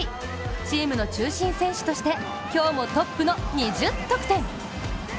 チームの中心選手として今日もトップの２０得点。